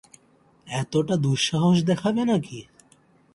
এতটা দুঃসাহস দেখাবে নাকি?